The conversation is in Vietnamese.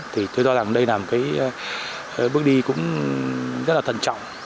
thì tôi cho rằng đây là một cái bước đi cũng rất là thận trọng